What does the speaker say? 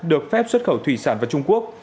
được phép xuất khẩu thủy sản vào trung quốc